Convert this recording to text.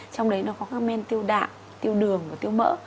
trong đấy nó có các men tiêu đạm tiêu đường và tiêu mỡ